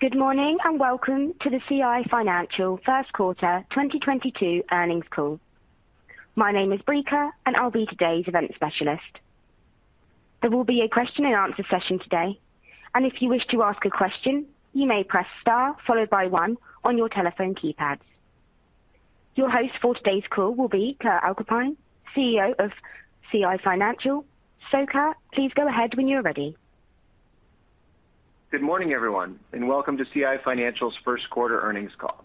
Good morning, and welcome to the CI Financial First Quarter 2022 Earnings Call. My name is Brica, and I'll be today's event specialist. There will be a question and answer session today, and if you wish to ask a question, you may press Star followed by one on your telephone keypads. Your host for today's call will be Kurt MacAlpine, CEO of CI Financial. Kurt, please go ahead when you're ready. Good morning, everyone, and welcome to CI Financial's first quarter earnings call.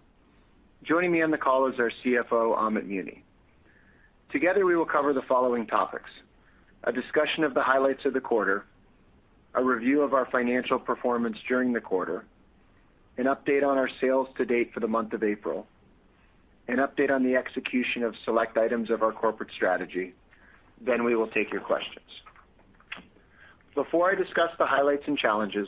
Joining me on the call is our CFO, Amit Muni. Together, we will cover the following topics, a discussion of the highlights of the quarter, a review of our financial performance during the quarter, an update on our sales to date for the month of April, an update on the execution of select items of our corporate strategy, then we will take your questions. Before I discuss the highlights and challenges,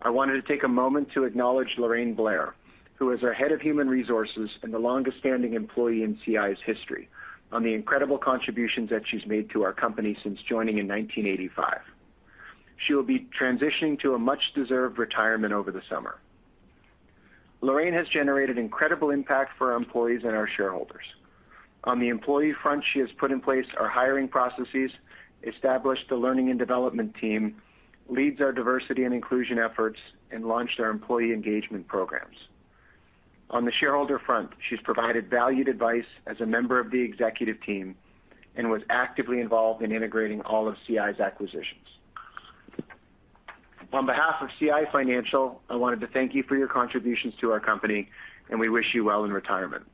I wanted to take a moment to acknowledge Lorraine Blair, who is our head of human resources and the longest-standing employee in CI's history, on the incredible contributions that she's made to our company since joining in 1985. She will be transitioning to a much-deserved retirement over the summer. Lorraine has generated incredible impact for our employees and our shareholders. On the employee front, she has put in place our hiring processes, established the learning and development team, leads our diversity and inclusion efforts, and launched our employee engagement programs. On the shareholder front, she's provided valued advice as a member of the executive team and was actively involved in integrating all of CI's acquisitions. On behalf of CI Financial, I wanted to thank you for your contributions to our company, and we wish you well in retirement.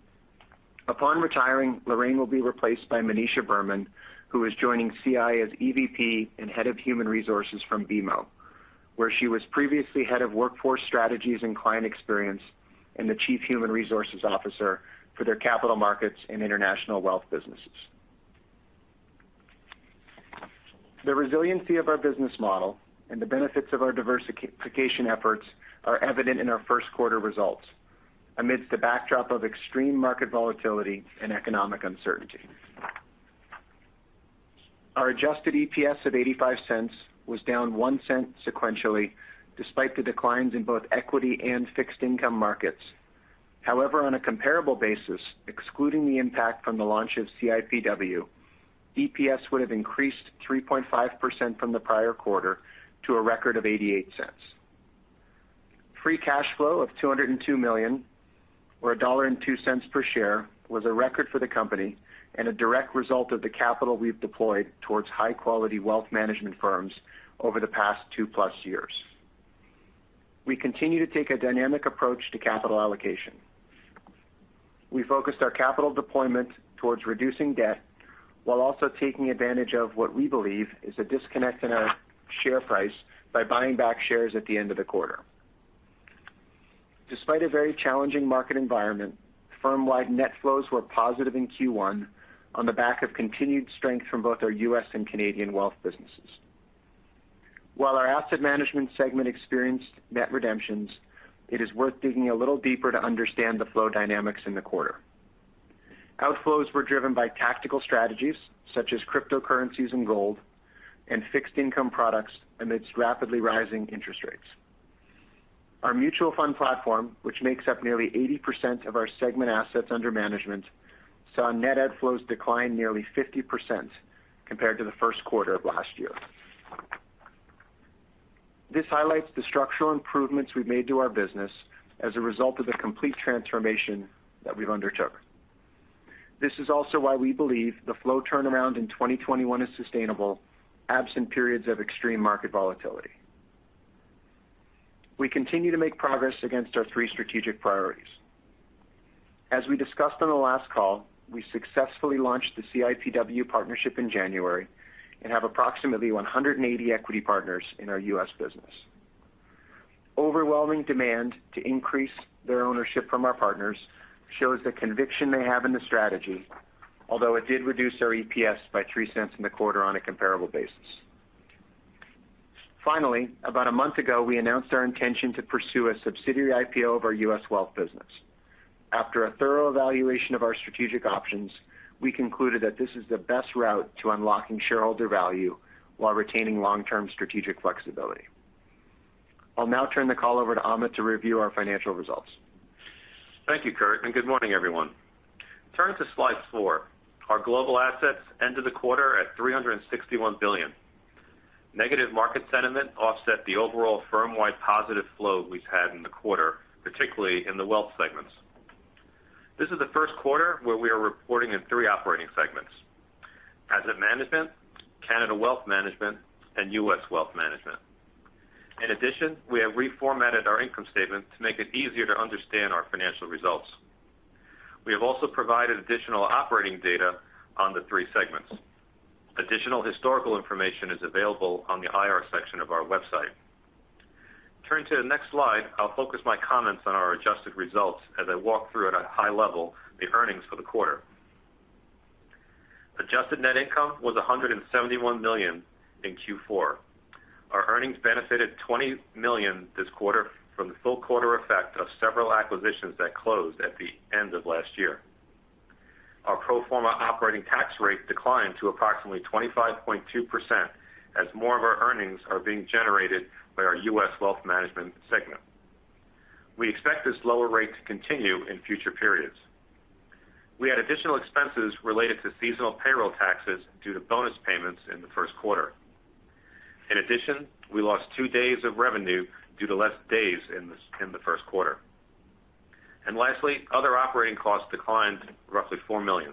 Upon retiring, Lorraine will be replaced by Manisha Burman, who is joining CI as EVP and Head of Human Resources from BMO, where she was previously head of Workforce Strategies and Client Experience and the Chief Human Resources Officer for their capital markets and international wealth businesses. The resiliency of our business model and the benefits of our diversification efforts are evident in our first quarter results amidst the backdrop of extreme market volatility and economic uncertainty. Our adjusted EPS of 0.85 was down 0.01 sequentially, despite the declines in both equity and fixed income markets. However, on a comparable basis, excluding the impact from the launch of CIPW, EPS would have increased 3.5% from the prior quarter to a record of 0.88. Free cash flow of 202 million or 1.02 dollar per share was a record for the company and a direct result of the capital we've deployed towards high-quality wealth management firms over the past two plus years. We continue to take a dynamic approach to capital allocation. We focused our capital deployment towards reducing debt while also taking advantage of what we believe is a disconnect in our share price by buying back shares at the end of the quarter. Despite a very challenging market environment, firm-wide net flows were positive in Q1 on the back of continued strength from both our U.S. and Canadian wealth businesses. While our asset management segment experienced net redemptions, it is worth digging a little deeper to understand the flow dynamics in the quarter. Outflows were driven by tactical strategies such as cryptocurrencies and gold and fixed income products amidst rapidly rising interest rates. Our mutual fund platform, which makes up nearly 80% of our segment assets under management, saw net outflows decline nearly 50% compared to the first quarter of last year. This highlights the structural improvements we've made to our business as a result of the complete transformation that we've undertook. This is also why we believe the flow turnaround in 2021 is sustainable, absent periods of extreme market volatility. We continue to make progress against our three strategic priorities. As we discussed on the last call, we successfully launched the CIPW partnership in January and have approximately 180 equity partners in our US business. Overwhelming demand to increase their ownership from our partners shows the conviction they have in the strategy, although it did reduce our EPS by 0.03 in the quarter on a comparable basis. Finally, about a month ago, we announced our intention to pursue a subsidiary IPO of our US wealth business. After a thorough evaluation of our strategic options, we concluded that this is the best route to unlocking shareholder value while retaining long-term strategic flexibility. I'll now turn the call over to Amit to review our financial results. Thank you, Kurt, and good morning, everyone. Turning to slide four, our global assets ended the quarter at 361 billion. Negative market sentiment offset the overall firm-wide positive flow we've had in the quarter, particularly in the wealth segments. This is the first quarter where we are reporting in three operating segments, asset management, Canada wealth management, and U.S. wealth management. In addition, we have reformatted our income statement to make it easier to understand our financial results. We have also provided additional operating data on the three segments. Additional historical information is available on the IR section of our website. Turning to the next slide, I'll focus my comments on our adjusted results as I walk through at a high level the earnings for the quarter. Adjusted net income was 171 million in Q4. Our earnings benefited 20 million this quarter from the full quarter effect of several acquisitions that closed at the end of last year. Our pro forma operating tax rate declined to approximately 25.2% as more of our earnings are being generated by our U.S. Wealth Management segment. We expect this lower rate to continue in future periods. We had additional expenses related to seasonal payroll taxes due to bonus payments in the first quarter. In addition, we lost two days of revenue due to less days in the first quarter. Lastly, other operating costs declined roughly 4 million.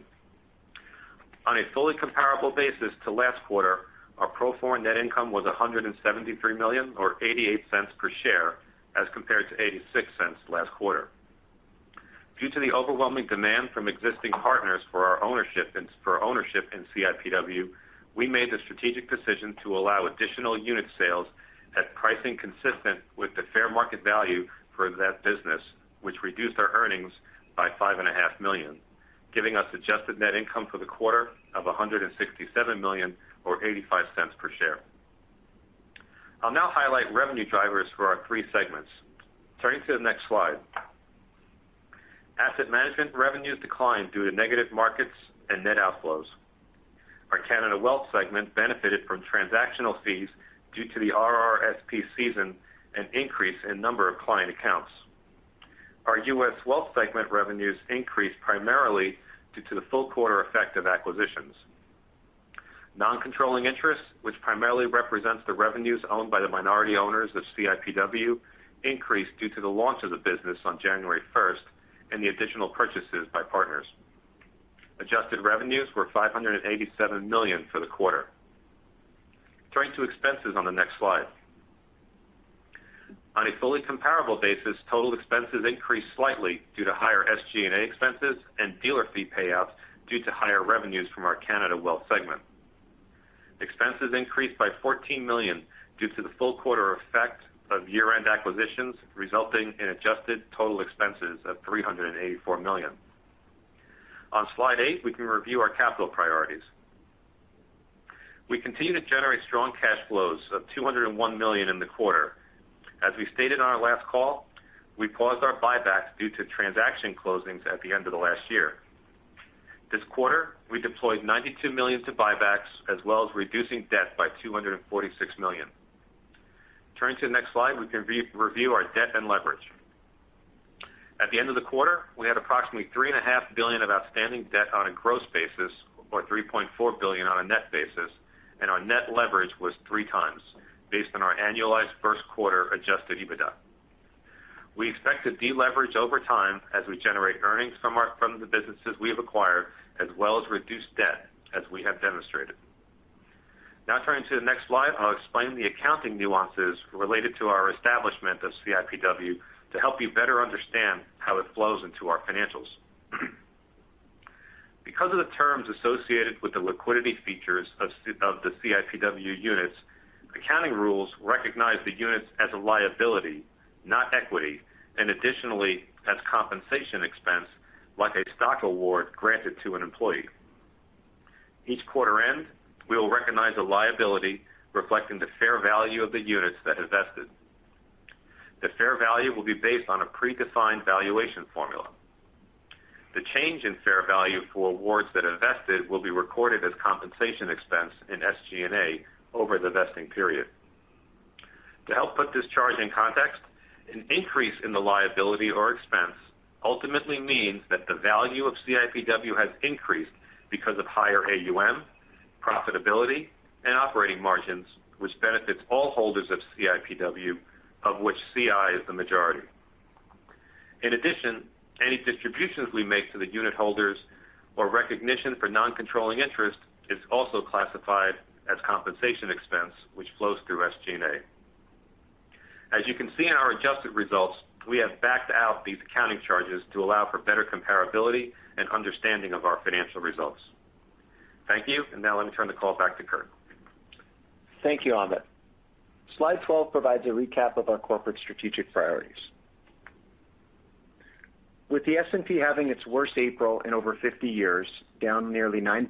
On a fully comparable basis to last quarter, our pro forma net income was 173 million or 0.88 per share as compared to 0.86 last quarter. Due to the overwhelming demand from existing partners for ownership in CIPW, we made the strategic decision to allow additional unit sales at pricing consistent with the fair market value for that business, which reduced our earnings by five and a half million, giving us adjusted net income for the quarter of 167 million or 0.85 per share. I'll now highlight revenue drivers for our three segments. Turning to the next slide. Asset management revenues declined due to negative markets and net outflows. Our Canada Wealth segment benefited from transactional fees due to the RRSP season and an increase in number of client accounts. Our US Wealth segment revenues increased primarily due to the full quarter effect of acquisitions. Non-controlling interest, which primarily represents the revenues owned by the minority owners of CIPW, increased due to the launch of the business on January first and the additional purchases by partners. Adjusted revenues were 587 million for the quarter. Turning to expenses on the next slide. On a fully comparable basis, total expenses increased slightly due to higher SG&A expenses and dealer fee payouts due to higher revenues from our Canada Wealth segment. Expenses increased by 14 million due to the full quarter effect of year-end acquisitions, resulting in adjusted total expenses of 384 million. On slide eight, we can review our capital priorities. We continue to generate strong cash flows of 201 million in the quarter. As we stated on our last call, we paused our buybacks due to transaction closings at the end of the last year. This quarter, we deployed 92 million to buybacks as well as reducing debt by 246 million. Turning to the next slide, we can re-review our debt and leverage. At the end of the quarter, we had approximately 3.5 billion of outstanding debt on a gross basis or 3.4 billion on a net basis, and our net leverage was 3x based on our annualized first quarter adjusted EBITDA. We expect to deleverage over time as we generate earnings from the businesses we have acquired, as well as reduce debt as we have demonstrated. Now turning to the next slide, I'll explain the accounting nuances related to our establishment of CIPW to help you better understand how it flows into our financials. Because of the terms associated with the liquidity features of the CIPW units, accounting rules recognize the units as a liability, not equity, and additionally as compensation expense, like a stock award granted to an employee. Each quarter end, we will recognize a liability reflecting the fair value of the units that have vested. The fair value will be based on a predefined valuation formula. The change in fair value for awards that are vested will be recorded as compensation expense in SG&A over the vesting period. To help put this charge in context, an increase in the liability or expense ultimately means that the value of CIPW has increased because of higher AUM, profitability, and operating margins, which benefits all holders of CIPW, of which CI is the majority. In addition, any distributions we make to the unitholders or recognition for non-controlling interest is also classified as compensation expense, which flows through SG&A. As you can see in our adjusted results, we have backed out these accounting charges to allow for better comparability and understanding of our financial results. Thank you. Now let me turn the call back to Kurt. Thank you, Amit. Slide 12 provides a recap of our corporate strategic priorities. With the S&P having its worst April in over 50 years, down nearly 9%,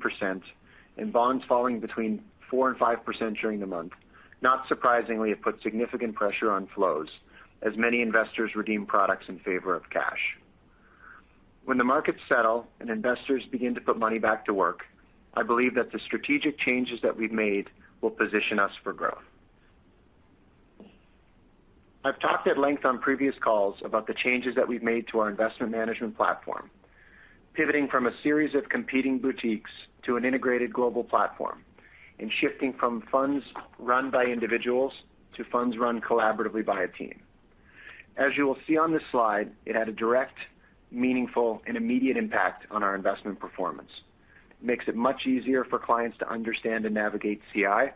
and bonds falling between 4% and 5% during the month, not surprisingly, it put significant pressure on flows as many investors redeem products in favor of cash. When the markets settle and investors begin to put money back to work, I believe that the strategic changes that we've made will position us for growth. I've talked at length on previous calls about the changes that we've made to our investment management platform, pivoting from a series of competing boutiques to an integrated global platform, and shifting from funds run by individuals to funds run collaboratively by a team. As you will see on this slide, it had a direct, meaningful, and immediate impact on our investment performance. It makes it much easier for clients to understand and navigate CI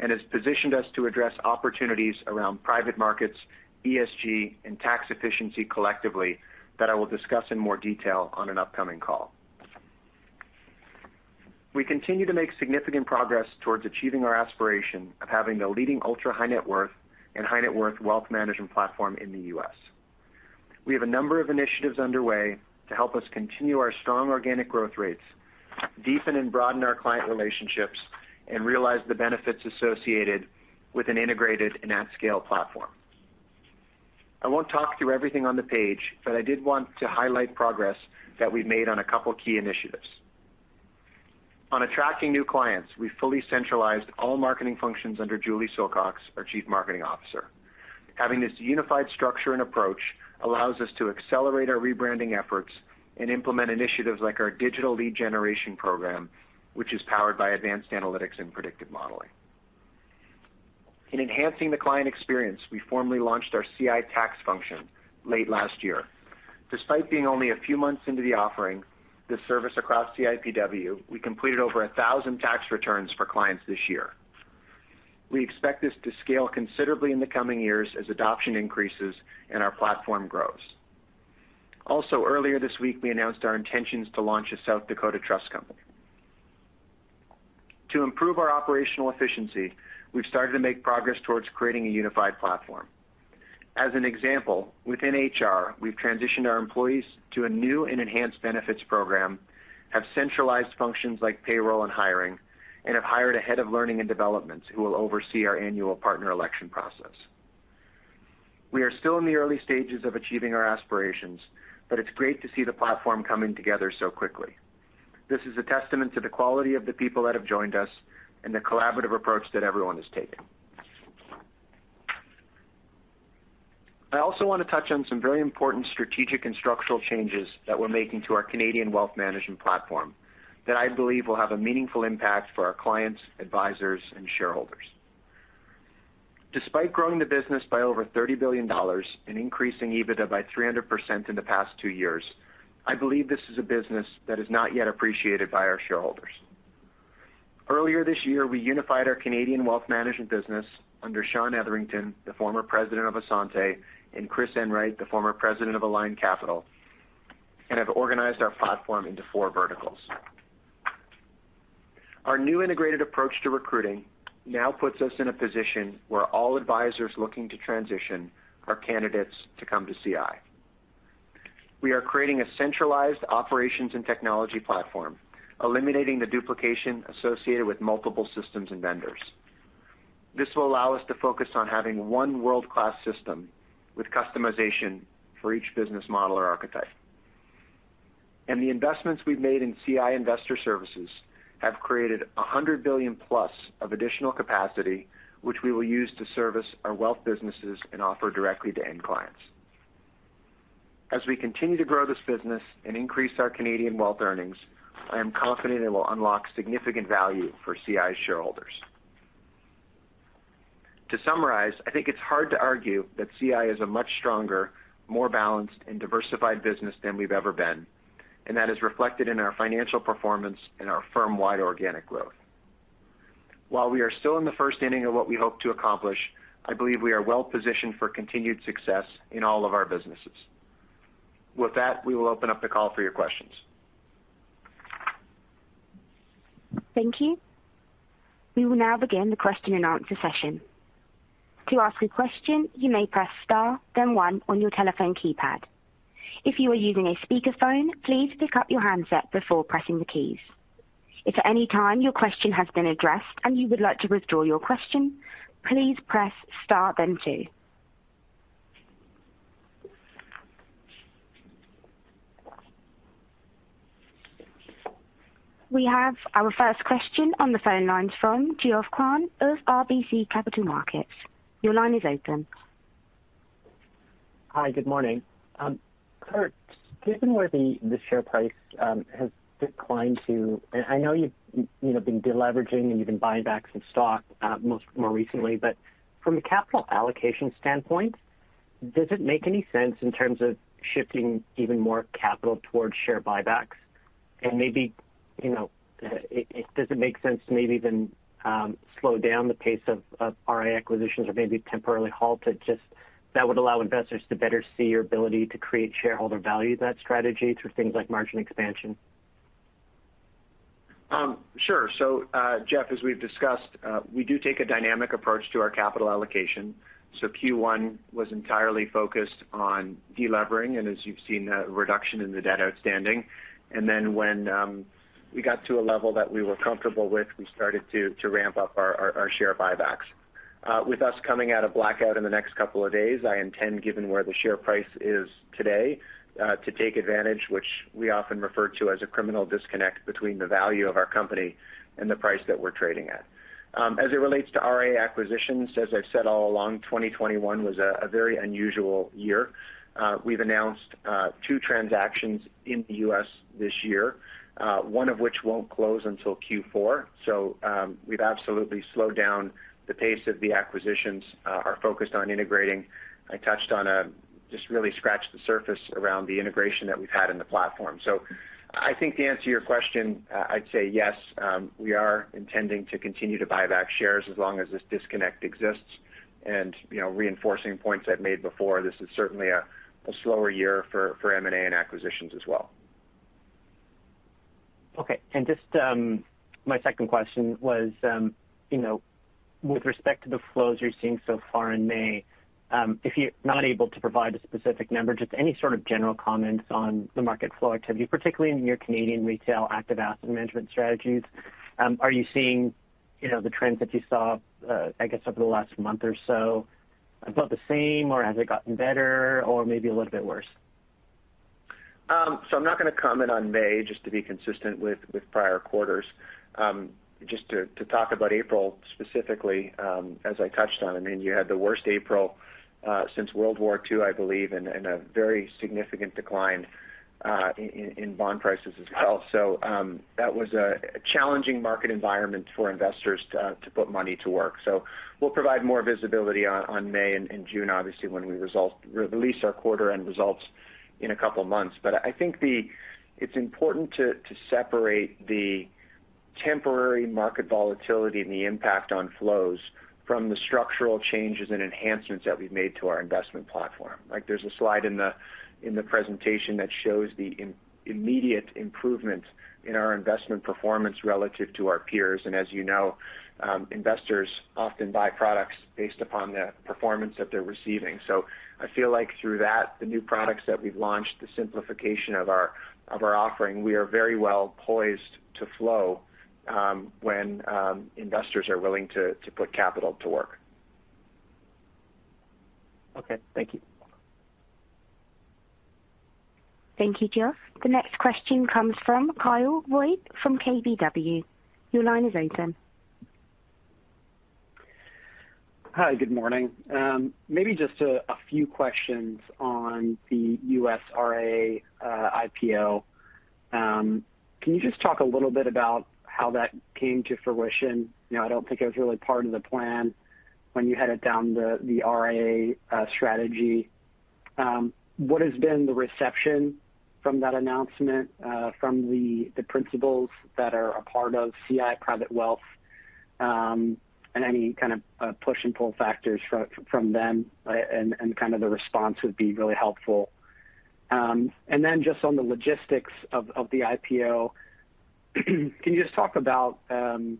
and has positioned us to address opportunities around private markets, ESG, and tax efficiency collectively that I will discuss in more detail on an upcoming call. We continue to make significant progress towards achieving our aspiration of having the leading ultra high net worth and high net worth wealth management platform in the U.S. We have a number of initiatives underway to help us continue our strong organic growth rates, deepen and broaden our client relationships, and realize the benefits associated with an integrated and at-scale platform. I won't talk through everything on the page, but I did want to highlight progress that we've made on a couple key initiatives. On attracting new clients, we fully centralized all marketing functions under Julie Silcox, our Chief Marketing Officer. Having this unified structure and approach allows us to accelerate our rebranding efforts and implement initiatives like our digital lead generation program, which is powered by advanced analytics and predictive modeling. In enhancing the client experience, we formally launched our CI tax function late last year. Despite being only a few months into the offering, this service across CIPW, we completed over 1,000 tax returns for clients this year. We expect this to scale considerably in the coming years as adoption increases and our platform grows. Also earlier this week, we announced our intentions to launch a South Dakota Trust Company. To improve our operational efficiency, we've started to make progress towards creating a unified platform. As an example, within HR, we've transitioned our employees to a new and enhanced benefits program, have centralized functions like payroll and hiring, and have hired a head of learning and development who will oversee our annual partner election process. We are still in the early stages of achieving our aspirations, but it's great to see the platform coming together so quickly. This is a testament to the quality of the people that have joined us and the collaborative approach that everyone has taken. I also want to touch on some very important strategic and structural changes that we're making to our Canadian wealth management platform that I believe will have a meaningful impact for our clients, advisors, and shareholders. Despite growing the business by over 30 billion dollars and increasing EBITDA by 300% in the past two years, I believe this is a business that is not yet appreciated by our shareholders. Earlier this year, we unified our Canadian wealth management business under Sean Etherington, the former president of Assante, and Chris Enright, the former president of Aligned Capital Partners, and have organized our platform into four verticals. Our new integrated approach to recruiting now puts us in a position where all advisors looking to transition are candidates to come to CI. We are creating a centralized operations and technology platform, eliminating the duplication associated with multiple systems and vendors. This will allow us to focus on having one world-class system with customization for each business model or archetype. The investments we've made in CI Investment Services have created 100 billion-plus of additional capacity, which we will use to service our wealth businesses and offer directly to end clients. As we continue to grow this business and increase our Canadian wealth earnings, I am confident it will unlock significant value for CI shareholders. To summarize, I think it's hard to argue that CI is a much stronger, more balanced, and diversified business than we've ever been, and that is reflected in our financial performance and our firm-wide organic growth. While we are still in the first inning of what we hope to accomplish, I believe we are well positioned for continued success in all of our businesses. With that, we will open up the call for your questions. Thank you. We will now begin the question-and-answer session. To ask a question, you may press Star, then One on your telephone keypad. If you are using a speakerphone, please pick up your handset before pressing the keys. If at any time your question has been addressed and you would like to withdraw your question, please press Star then Two. We have our first question on the phone lines from Geoff Kwan of RBC Capital Markets. Your line is open. Hi, good morning. Kurt, given where the share price has declined to. I know you've, you know, been de-leveraging and you've been buying back some stock, most more recently. From a capital allocation standpoint, does it make any sense in terms of shifting even more capital towards share buybacks? Maybe, you know, does it make sense to maybe even slow down the pace of RIA acquisitions or maybe temporarily halt it? Just that would allow investors to better see your ability to create shareholder value, that strategy through things like margin expansion. Sure. Geoff, as we've discussed, we do take a dynamic approach to our capital allocation. Q1 was entirely focused on delevering, and as you've seen, a reduction in the debt outstanding. When we got to a level that we were comfortable with, we started to ramp up our share buybacks. With us coming out of blackout in the next couple of days, I intend, given where the share price is today, to take advantage, which we often refer to as a glaring disconnect between the value of our company and the price that we're trading at. As it relates to RIA acquisitions, as I've said all along, 2021 was a very unusual year. We've announced two transactions in the U.S. this year, 1 of which won't close until Q4. We've absolutely slowed down the pace of the acquisitions, are focused on integrating. I touched on, just really scratched the surface around the integration that we've had in the platform. I think to answer your question, I'd say yes, we are intending to continue to buy back shares as long as this disconnect exists. You know, reinforcing points I've made before, this is certainly a slower year for M&A and acquisitions as well. Okay. Just my second question was, you know, with respect to the flows you're seeing so far in May, if you're not able to provide a specific number, just any sort of general comments on the market flow activity, particularly in your Canadian retail active asset management strategies. You know, the trends that you saw, I guess over the last month or so, about the same, or has it gotten better or maybe a little bit worse? I'm not going to comment on May just to be consistent with prior quarters. Just to talk about April specifically, as I touched on, I mean, you had the worst April since World War II, I believe, and a very significant decline in bond prices as well. That was a challenging market environment for investors to put money to work. We'll provide more visibility on May and June, obviously when we release our quarter end results in a couple of months. I think it's important to separate the temporary market volatility and the impact on flows from the structural changes and enhancements that we've made to our investment platform. Like, there's a slide in the presentation that shows the immediate improvement in our investment performance relative to our peers. As you know, investors often buy products based upon the performance that they're receiving. I feel like through that, the new products that we've launched, the simplification of our offering, we are very well poised to flow when investors are willing to put capital to work. Okay. Thank you. Thank you, Geoff. The next question comes from Kyle Voigt from KBW. Your line is open. Hi, good morning. Maybe just a few questions on the U.S. RIA IPO. Can you just talk a little bit about how that came to fruition? You know, I don't think it was really part of the plan when you headed down the RIA strategy. What has been the reception from that announcement from the principals that are a part of CI Private Wealth, and any kind of push and pull factors from them and kind of the response would be really helpful. And then just on the logistics of the IPO, can you just talk about, you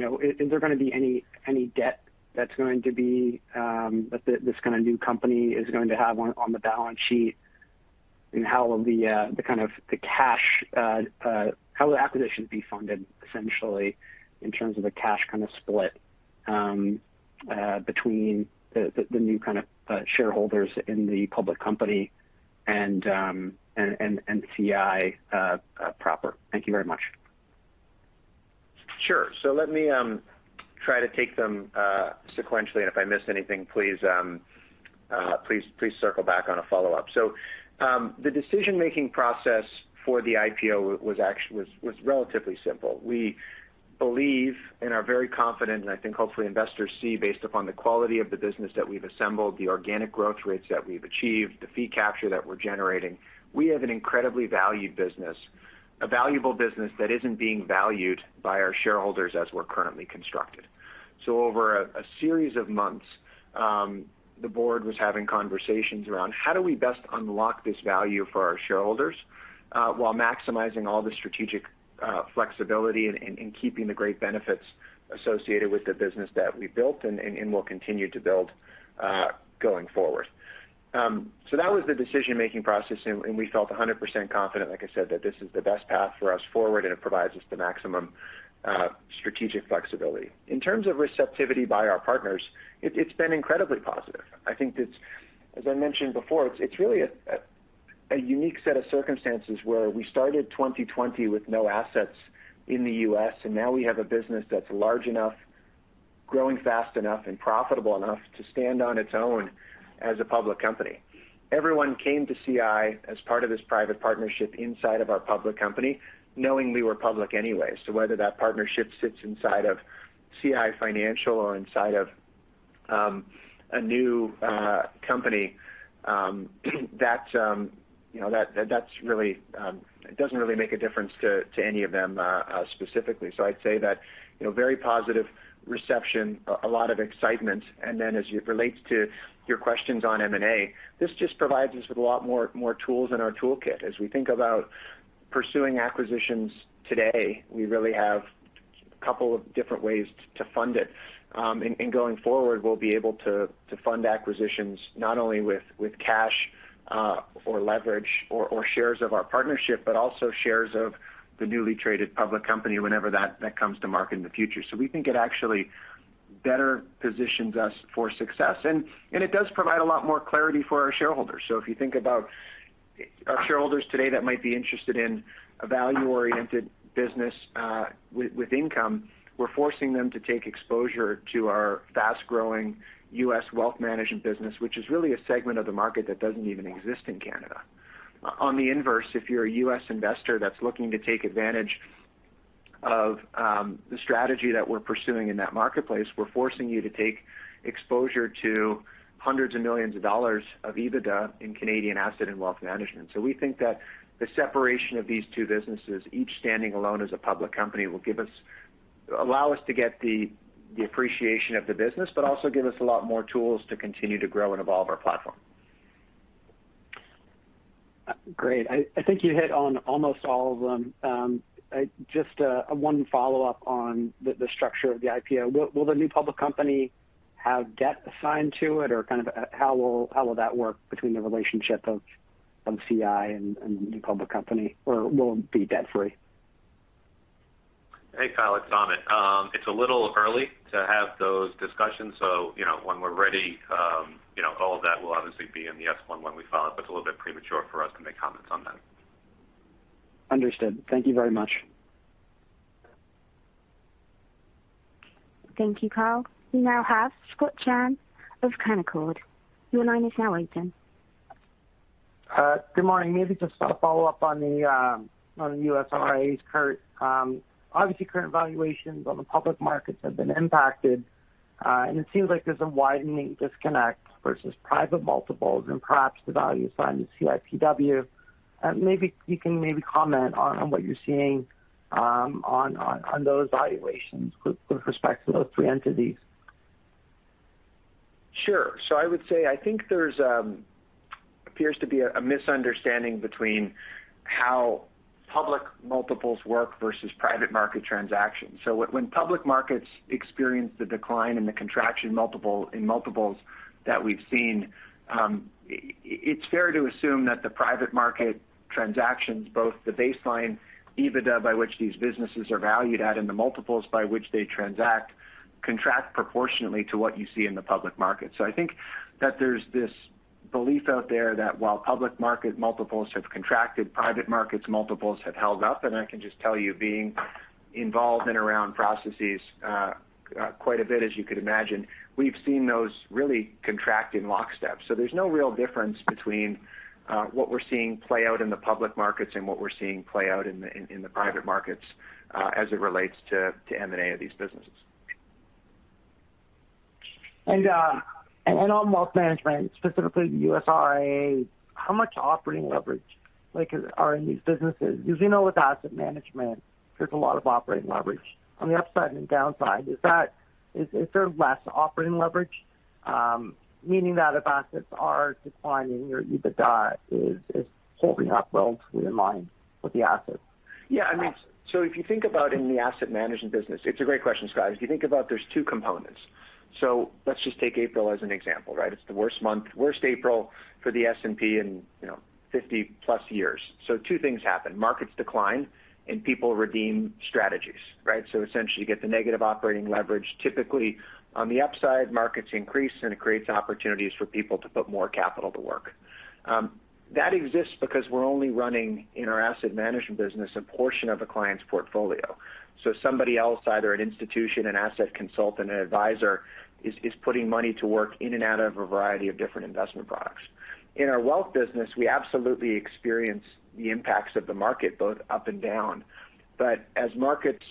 know, is there going to be any debt that this kind of new company is going to have on the balance sheet? How will acquisitions be funded essentially in terms of the cash kind of split between the new kind of shareholders in the public company and CI proper? Thank you very much. Sure. Let me try to take them sequentially. If I missed anything, please circle back on a follow-up. The decision-making process for the IPO was relatively simple. We believe and are very confident, and I think hopefully investors see based upon the quality of the business that we've assembled, the organic growth rates that we've achieved, the fee capture that we're generating. We have an incredibly valued business, a valuable business that isn't being valued by our shareholders as we're currently constructed. Over a series of months, the board was having conversations around how do we best unlock this value for our shareholders while maximizing all the strategic flexibility and keeping the great benefits associated with the business that we built and will continue to build going forward. That was the decision-making process, and we felt 100% confident, like I said, that this is the best path for us forward, and it provides us the maximum strategic flexibility. In terms of receptivity by our partners, it's been incredibly positive. I think it's, as I mentioned before, it's really a unique set of circumstances where we started 2020 with no assets in the U.S., and now we have a business that's large enough, growing fast enough and profitable enough to stand on its own as a public company. Everyone came to CI as part of this private partnership inside of our public company, knowing we were public anyway. Whether that partnership sits inside of CI Financial or inside of a new company that you know that's really it doesn't really make a difference to any of them specifically. I'd say that you know very positive reception, a lot of excitement. Then as it relates to your questions on M&A, this just provides us with a lot more tools in our toolkit. As we think about pursuing acquisitions today, we really have a couple of different ways to fund it. Going forward, we'll be able to fund acquisitions not only with cash or leverage or shares of our partnership, but also shares of the newly traded public company whenever that comes to market in the future. We think it actually better positions us for success. It does provide a lot more clarity for our shareholders. If you think about our shareholders today that might be interested in a value-oriented business with income, we're forcing them to take exposure to our fast-growing U.S. wealth management business, which is really a segment of the market that doesn't even exist in Canada. On the inverse, if you're a U.S. investor that's looking to take advantage of the strategy that we're pursuing in that marketplace, we're forcing you to take exposure to CAD hundreds of millions of EBITDA in Canadian asset and wealth management. We think that the separation of these two businesses, each standing alone as a public company, will allow us to get the appreciation of the business, but also give us a lot more tools to continue to grow and evolve our platform. Great. I think you hit on almost all of them. Just one follow-up on the structure of the IPO. Will the new public company have debt assigned to it? Or kind of how will that work between the relationship of- From CI and the public company or will it be debt free? Hey, Kyle, it's Amit. It's a little early to have those discussions. You know, when we're ready, you know, all of that will obviously be in the S-1 when we file it. It's a little bit premature for us to make comments on that. Understood. Thank you very much. Thank you, Kyle. We now have Scott Chan of Canaccord. Your line is now open. Good morning. Maybe just a follow-up on the US RIA's current. Obviously, current valuations on the public markets have been impacted, and it seems like there's a widening disconnect versus private multiples and perhaps the value side of CIPW. Maybe you can comment on what you're seeing on those valuations with respect to those three entities. Sure. I would say I think there appears to be a misunderstanding between how public multiples work versus private market transactions. When public markets experience the decline and the contraction in multiples that we've seen, it's fair to assume that the private market transactions, both the baseline EBITDA by which these businesses are valued at, and the multiples by which they transact, contract proportionately to what you see in the public market. I think that there's this belief out there that while public market multiples have contracted, private markets multiples have held up. I can just tell you, being involved in M&A processes quite a bit, as you could imagine, we've seen those really contract in lockstep. There's no real difference between what we're seeing play out in the public markets and what we're seeing play out in the private markets as it relates to M&A of these businesses. On wealth management, specifically the US RIA, how much operating leverage, like, are in these businesses? Because we know with asset management, there's a lot of operating leverage. On the upside and downside, is there less operating leverage, meaning that if assets are declining, your EBITDA is holding up well in line with the assets? Yeah. I mean, if you think about in the asset management business, it's a great question, Scott. If you think about there's two components. Let's just take April as an example, right? It's the worst month, worst April for the S&P in, you know, 50+ years. Two things happen, markets decline and people redeem strategies, right? Essentially, you get the negative operating leverage. Typically, on the upside, markets increase, and it creates opportunities for people to put more capital to work. That exists because we're only running in our asset management business, a portion of a client's portfolio. Somebody else, either an institution, an asset consultant, an advisor, is putting money to work in and out of a variety of different investment products. In our wealth business, we absolutely experience the impacts of the market both up and down. As markets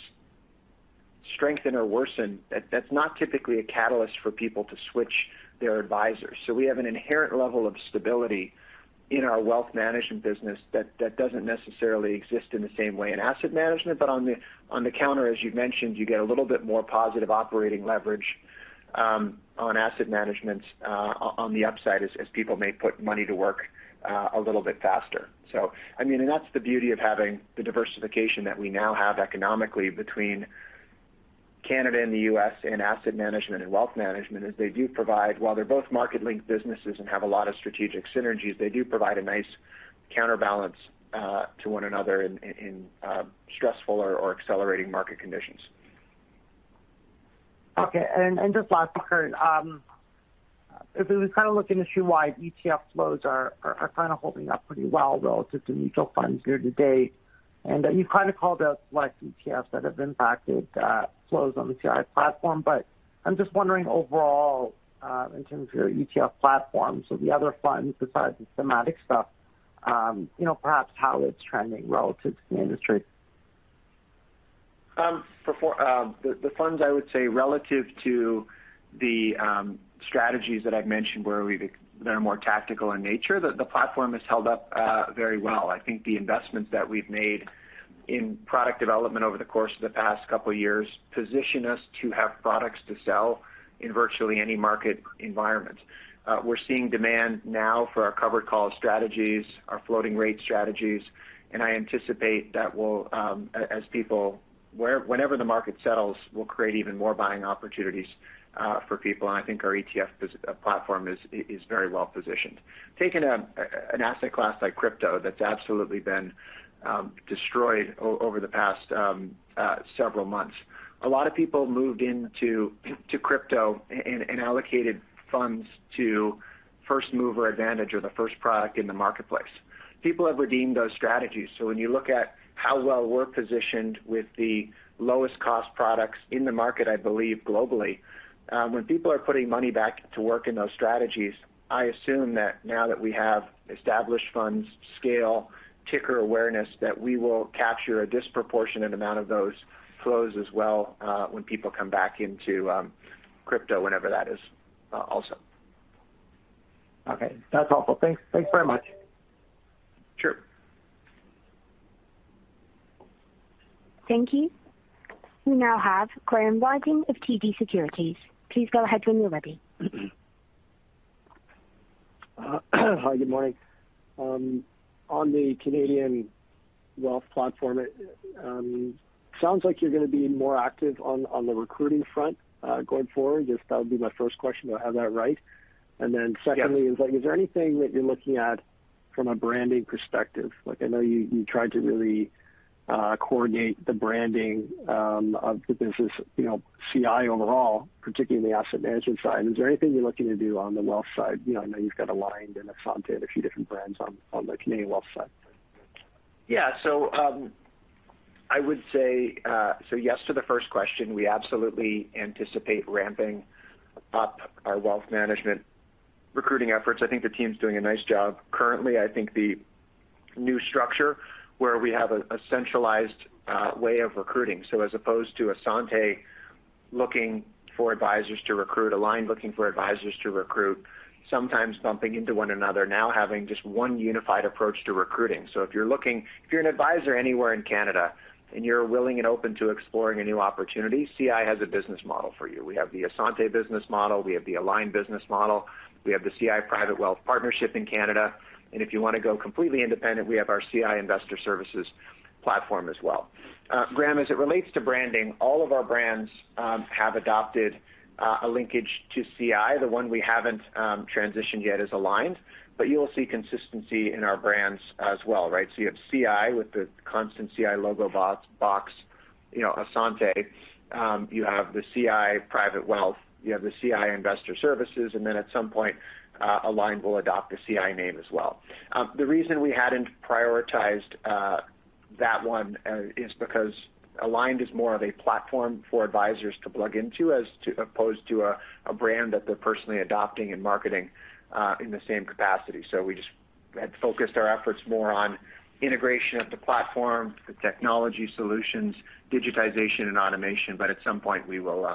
strengthen or worsen, that's not typically a catalyst for people to switch their advisors. We have an inherent level of stability in our wealth management business that doesn't necessarily exist in the same way in asset management. On the counter, as you mentioned, you get a little bit more positive operating leverage on asset management on the upside as people may put money to work a little bit faster. I mean, that's the beauty of having the diversification that we now have economically between Canada and the U.S. in asset management and wealth management is they do provide while they're both market-linked businesses and have a lot of strategic synergies. They do provide a nice counterbalance to one another in stressful or accelerating market conditions. Okay. Just last, Kurt, if we were kind of looking industry-wide, ETF flows are kind of holding up pretty well relative to mutual funds year to date. You've kind of called out select ETFs that have impacted flows on the CI platform, but I'm just wondering overall, in terms of your ETF platform, so the other funds besides the thematic stuff, you know, perhaps how it's trending relative to the industry. For the funds, I would say relative to the strategies that I've mentioned, they're more tactical in nature, the platform has held up very well. I think the investments that we've made in product development over the course of the past couple of years position us to have products to sell in virtually any market environment. We're seeing demand now for our covered call strategies, our floating rate strategies, and I anticipate that will, whenever the market settles, we'll create even more buying opportunities for people. I think our ETF platform is very well positioned. Taking an asset class like crypto that's absolutely been destroyed over the past several months. A lot of people moved into crypto and allocated funds to first mover advantage or the first product in the marketplace. People have redeemed those strategies. When you look at how well we're positioned with the lowest cost products in the market, I believe globally, when people are putting money back to work in those strategies, I assume that now that we have established funds, scale, ticker awareness, that we will capture a disproportionate amount of those flows as well, when people come back into crypto, whenever that is, also. Okay. That's helpful. Thanks. Thanks very much. Sure. Thank you. We now have Graham Ryding of TD Securities. Please go ahead when you're ready. Hi, good morning. On the Canadian wealth platform. It sounds like you're gonna be more active on the recruiting front, going forward. I guess that would be my first question. Do I have that right? Secondly- Yeah is like, is there anything that you're looking at from a branding perspective? Like I know you tried to really coordinate the branding of the business, you know, CI overall, particularly in the asset management side. Is there anything you're looking to do on the wealth side? You know, I know you've got Aligned and Assante and a few different brands on the Canadian wealth side. Yes to the first question. We absolutely anticipate ramping up our wealth management recruiting efforts. I think the team's doing a nice job. Currently, I think the new structure where we have a centralized way of recruiting, as opposed to Assante looking for advisors to recruit, Aligned looking for advisors to recruit, sometimes bumping into one another, now having just one unified approach to recruiting. If you're an advisor anywhere in Canada, and you're willing and open to exploring a new opportunity, CI has a business model for you. We have the Assante business model. We have the Aligned business model. We have the CI Private Wealth partnership in Canada. If you wanna go completely independent, we have our CI Investment Services platform as well. Graham, as it relates to branding, all of our brands have adopted a linkage to CI. The one we haven't transitioned yet is Aligned, but you'll see consistency in our brands as well, right? You have CI with the constant CI logo box, you know, Assante. You have the CI Private Wealth, you have the CI Investment Services, and then at some point, Aligned will adopt the CI name as well. The reason we hadn't prioritized that one is because Aligned is more of a platform for advisors to plug into as opposed to a brand that they're personally adopting and marketing in the same capacity. We just had focused our efforts more on integration of the platform, the technology solutions, digitization and automation. At some point we will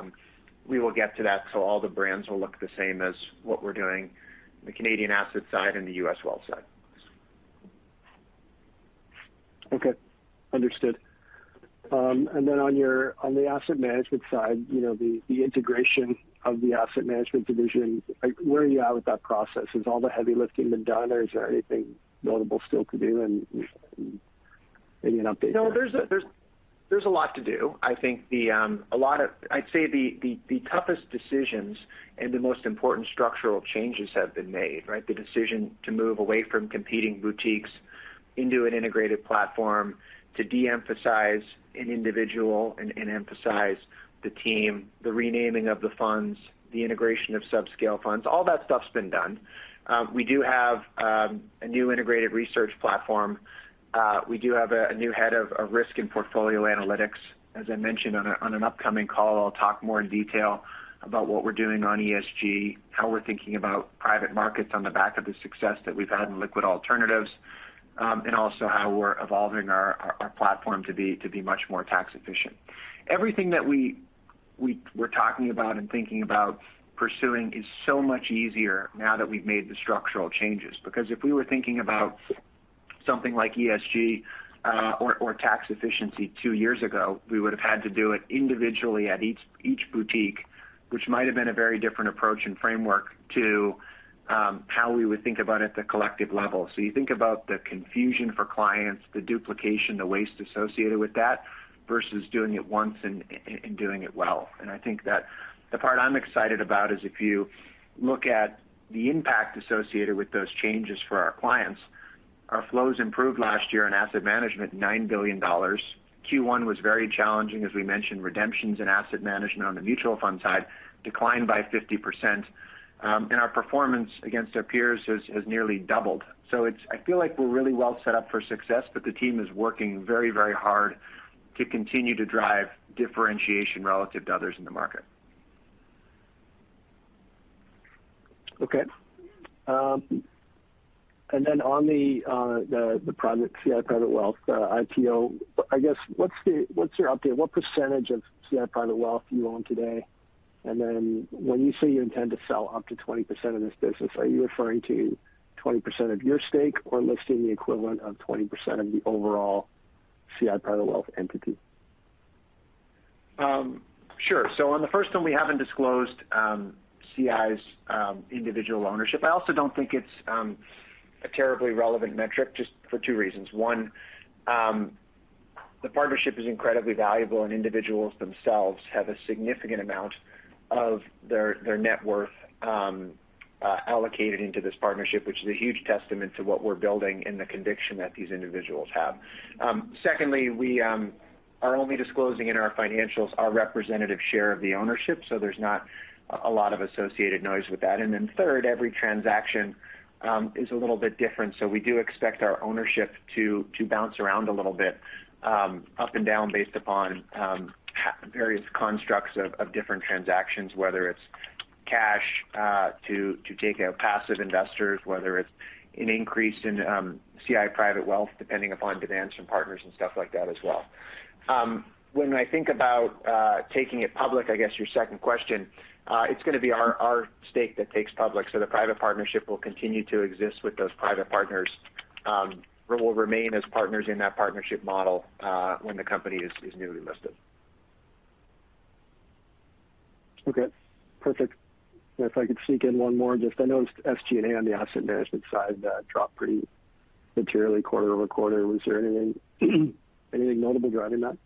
get to that, so all the brands will look the same as what we're doing in the Canadian asset side and the U.S. wealth side. Okay. Understood. Then on the asset management side, you know, the integration of the asset management division, like where are you at with that process? Has all the heavy lifting been done or is there anything notable still to do? Maybe an update there. No, there's a lot to do. I think I'd say the toughest decisions and the most important structural changes have been made, right? The decision to move away from competing boutiques into an integrated platform to de-emphasize an individual and emphasize the team, the renaming of the funds, the integration of subscale funds, all that stuff's been done. We do have a new integrated research platform. We do have a new head of risk and portfolio analytics. As I mentioned on an upcoming call, I'll talk more in detail about what we're doing on ESG, how we're thinking about private markets on the back of the success that we've had in liquid alternatives, and also how we're evolving our platform to be much more tax efficient. Everything that we were talking about and thinking about pursuing is so much easier now that we've made the structural changes. Because if we were thinking about something like ESG, or tax efficiency two years ago, we would've had to do it individually at each boutique, which might have been a very different approach and framework to how we would think about it at the collective level. You think about the confusion for clients, the duplication, the waste associated with that versus doing it once and doing it well. I think that the part I'm excited about is if you look at the impact associated with those changes for our clients, our flows improved last year in asset management, 9 billion dollars. Q1 was very challenging. As we mentioned, redemptions in asset management on the mutual fund side declined by 50%. Our performance against our peers has nearly doubled. It's. I feel like we're really well set up for success, but the team is working very, very hard to continue to drive differentiation relative to others in the market. Okay. On the CI Private Wealth IPO, I guess what's your update? What percentage of CI Private Wealth do you own today? When you say you intend to sell up to 20% of this business, are you referring to 20% of your stake or listing the equivalent of 20% of the overall CI Private Wealth entity? Sure. On the first one, we haven't disclosed CI's individual ownership. I also don't think it's a terribly relevant metric just for two reasons. One, the partnership is incredibly valuable, and individuals themselves have a significant amount of their net worth allocated into this partnership, which is a huge testament to what we're building and the conviction that these individuals have. Secondly, we are only disclosing in our financials our representative share of the ownership, so there's not a lot of associated noise with that. Third, every transaction is a little bit different, so we do expect our ownership to bounce around a little bit up and down based upon various constructs of different transactions, whether it's cash to take out passive investors, whether it's an increase in CI Private Wealth, depending upon demands from partners and stuff like that as well. When I think about taking it public, I guess your second question, it's gonna be our stake that takes public. The private partnership will continue to exist with those private partners or will remain as partners in that partnership model when the company is newly listed. Okay, perfect. If I could sneak in one more just I noticed SG&A on the asset management side dropped pretty materially quarter-over-quarter. Was there anything notable driving that?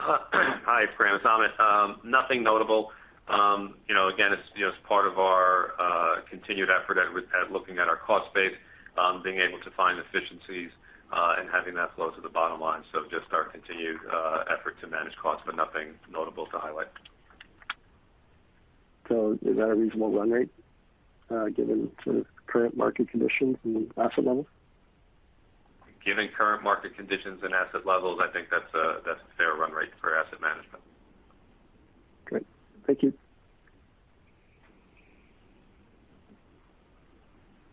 Hi, Graham. It's Amit. Nothing notable. You know, again, it's just part of our continued effort at looking at our cost base, being able to find efficiencies, and having that flow to the bottom line. Just our continued effort to manage costs, but nothing notable to highlight. Is that a reasonable run rate, given sort of current market conditions and asset levels? Given current market conditions and asset levels, I think that's a fair run rate for asset management. Great. Thank you.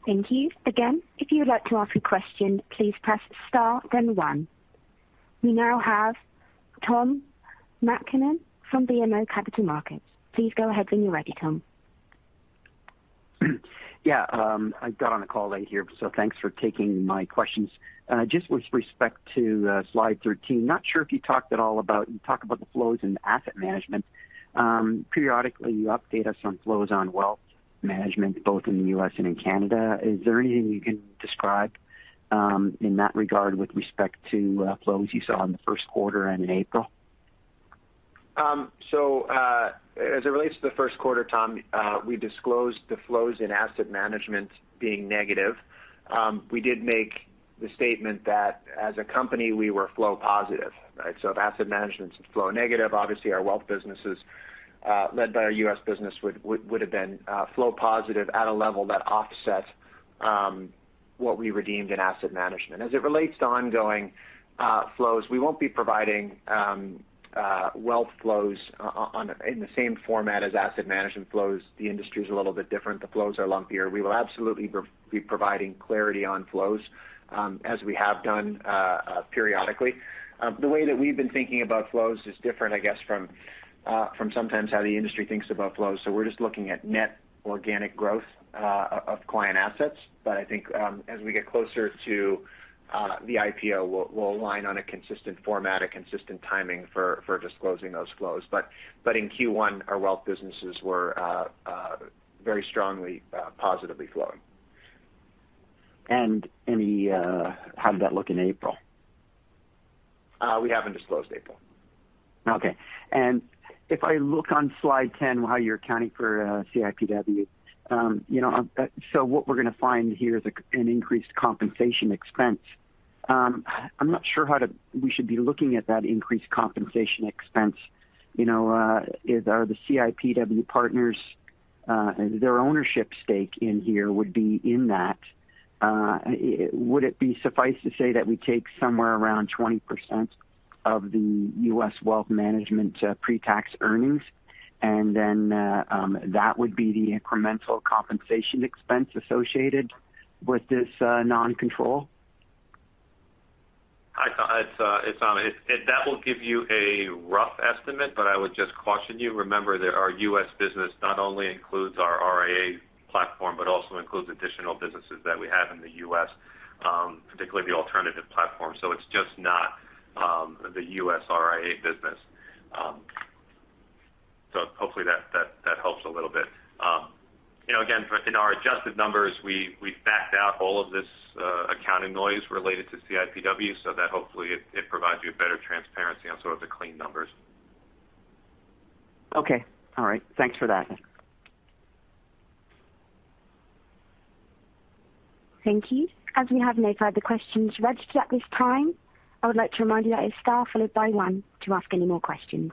Thank you. Again, if you would like to ask a question, please press star then one. We now have Tom MacKinnon from BMO Capital Markets. Please go ahead when you're ready, Tom. Yeah. I got on the call late here, so thanks for taking my questions. Just with respect to slide 13. Not sure if you talked at all about the flows in asset management. Periodically, you update us on flows in wealth management both in the U.S. and in Canada. Is there anything you can describe in that regard with respect to flows you saw in the first quarter and in April? As it relates to the first quarter, Tom, we disclosed the flows in asset management being negative. We did make the statement that as a company, we were flow positive, right? If asset management's flow negative, obviously our wealth businesses, led by our US business would have been flow positive at a level that offsets what we redeemed in asset management. As it relates to ongoing flows, we won't be providing wealth flows in the same format as asset management flows. The industry is a little bit different. The flows are lumpier. We will absolutely be providing clarity on flows as we have done periodically. The way that we've been thinking about flows is different, I guess, from sometimes how the industry thinks about flows. We're just looking at net organic growth of client assets. I think, as we get closer to the IPO, we'll align on a consistent format, a consistent timing for disclosing those flows. In Q1, our wealth businesses were very strongly positively flowing. How did that look in April? We haven't disclosed April. Okay. If I look on slide 10, how you're accounting for CIPW, you know, what we're going to find here is an increased compensation expense. I'm not sure we should be looking at that increased compensation expense. You know, are the CIPW partners, their ownership stake in here would be in that. Would it suffice to say that we take somewhere around 20% of the U.S. wealth management pre-tax earnings, and then, that would be the incremental compensation expense associated with this non-control? That will give you a rough estimate, but I would just caution you. Remember that our U.S. business not only includes our RIA platform, but also includes additional businesses that we have in the U.S., particularly the alternative platform. It's just not the U.S. RIA business. You know, again, in our adjusted numbers, we backed out all of this accounting noise related to CIPW, so that hopefully it provides you a better transparency on sort of the clean numbers. Okay. All right. Thanks for that. Thank you. As we have no further questions registered at this time, I would like to remind you that it's star followed by one to ask any more questions.